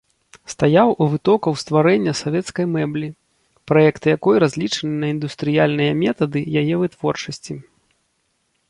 Стаяў у вытокаў стварэння савецкай мэблі, праекты якой разлічаны на індустрыяльныя метады яе вытворчасці.